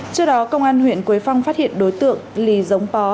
trước đó công an huyện quế phong phát hiện đối tượng lì giống bó